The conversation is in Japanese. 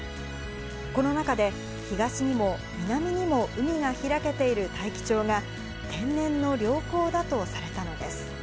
この中で、東にも南にも海が開けている大樹町が、天然の良港だとされたのです。